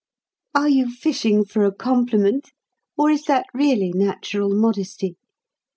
"Are you fishing for a compliment? Or is that really natural modesty?